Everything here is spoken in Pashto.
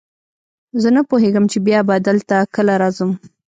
زه نه پوهېږم چې بیا به دلته کله راځم.